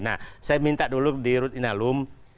nah saya minta dulu di rutinalum